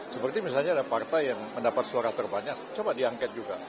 seperti misalnya ada partai yang mendapat suara terbanyak coba diangket juga